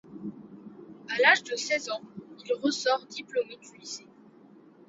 À l'âge de seize ans, il ressort diplômé du lycée.